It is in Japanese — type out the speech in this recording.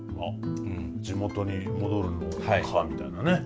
地元に戻るのかみたいなね。